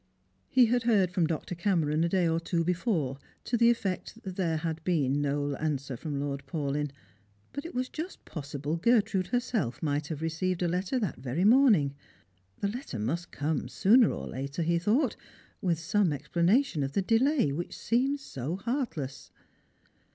He had heard from Dr. Cameron a day or two before, to the effect that there had been no answer from Lord Paulyn, but it was just possible Gertrude herself might have received a letter that very morning. The letter must come sooner or later, he thought, with some ex planation of the delay which seemed so heartless.